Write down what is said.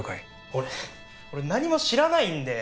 俺俺何も知らないんで。